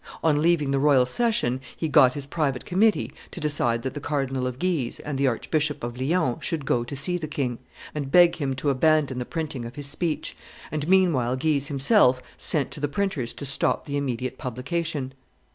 On leaving the royal session, he got his private committee to decide that the Cardinal of Guise and the Archbishop of Lyons should go to see the king, and beg him to abandon the printing of his speech, and meanwhile Guise himself sent to the printer's to stop the immediate publication.